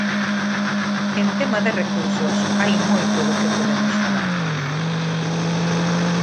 En tema de recursos, hai moito do que podemos falar.